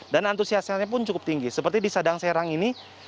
antusiasnya pun cukup tinggi seperti di sadang serang ini